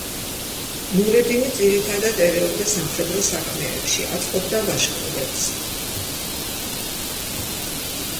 ნურედინი ძირითადად ერეოდა სამხედრო საქმეებში, აწყობდა ლაშქრობებს.